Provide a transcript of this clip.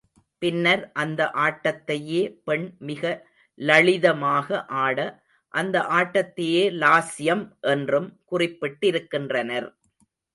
பின்னர் அந்த ஆட்டத்தையே பெண் மிக லளிதமாக ஆட, அந்த ஆட்டத்தையே லாஸ்யம் என்றும் குறிப்பிட்டிருக்கின்றனர்.